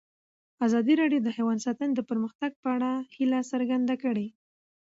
ازادي راډیو د حیوان ساتنه د پرمختګ په اړه هیله څرګنده کړې.